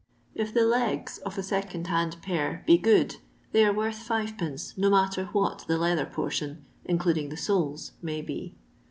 If the " legs" of a second hand pair be good, they are worth M., no matter what the leather portion, including the soles, may be.